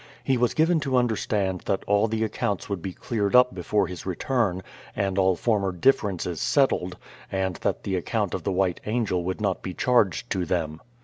He was given to understand that all the accounts would be cleared up before his return, and all former differences settled, and that the account of the White Angel would not be charged to them.